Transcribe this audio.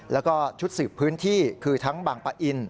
แล้วก็ชุดสืบพื้นที่คือทั้งบางปะอิน